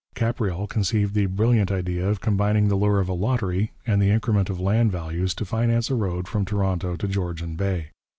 Capreol conceived the brilliant idea of combining the lure of a lottery and the increment of land values to finance a road from Toronto to Georgian Bay.